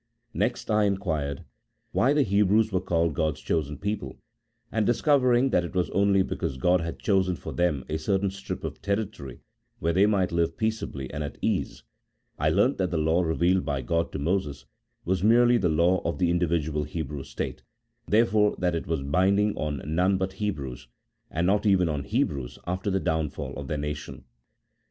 Next I inquired, why the Hebrews were called God's chosen people, and discovering that it was only because God had chosen for them a certain strip of territory, where they might live peaceably and at ease, I learnt that the Law revealed by God to Moses was merely the law of the indi vidual Hebrew state, therefore that it was binding on none but Hebrews, and not even on Hebrews after the downfall of their nation.